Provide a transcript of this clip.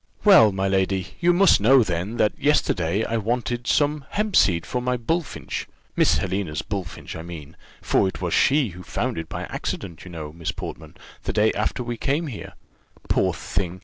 "Well, my lady, you must know, then, that yesterday I wanted some hempseed for my bullfinch Miss Helena's bullfinch, I mean; for it was she found it by accident, you know, Miss Portman, the day after we came here. Poor thing!